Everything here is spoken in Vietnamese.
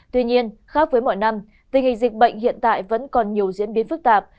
tuy nhiên khác với mọi năm tình hình dịch bệnh hiện tại vẫn còn nhiều diễn biến phức tạp